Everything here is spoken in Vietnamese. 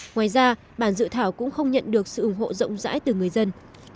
ngoài ra bản dự thảo cũng không nhận được sự ủng hộ rộng rãi từ người dân